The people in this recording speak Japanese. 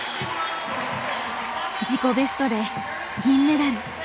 自己ベストで銀メダル。